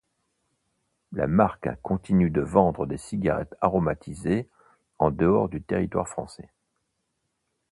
La marque continue de vendre des cigarettes aromatisées en dehors du territoire français.